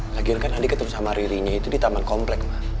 terakhir kan andi ketemu sama ririnya itu di taman komplek